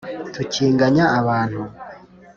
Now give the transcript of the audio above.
tukinganya abantu